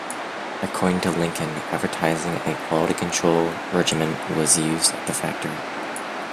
According to Lincoln advertising, a quality-control regimen was used at the factory.